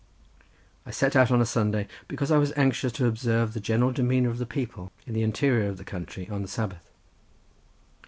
I set out on a Sunday because I was anxious to observe the general demeanour of the people, in the interior of the country, on the Sabbath.